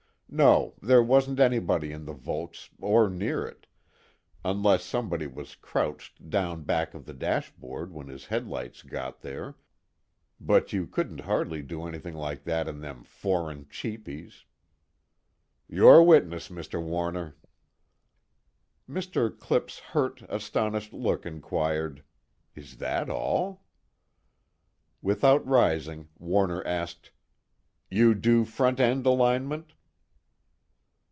no, there wasn't anybody in the Volks or near it, unless somebody was scrouched down back of the dashboard when his headlights got there, but you couldn't hardly do anything like that in them foreign cheapies "Your witness, Mr. Warner." Mr. Clipp's hurt, astonished look inquired: Is that all? Without rising, Warner asked: "You do front end alignment?"